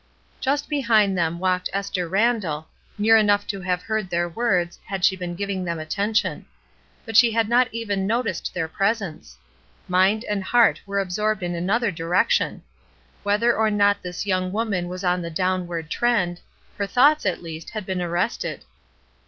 Just behind them walked Esther Randall, near enough to have heard their words had she been giving them attention. But she had not even noticed their presence. Mind and heart were absorbed in another direction. Whether or not this young woman was on the '^downward trend," her thoughts, at least, had been arrested.